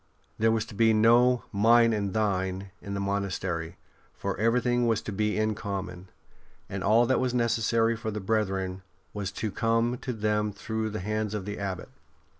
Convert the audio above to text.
There was to be no '' mine and thine " in the monastery, for everything was to be in common, and all that was necessary for the brethren was to come to them through the hands of the Abbot.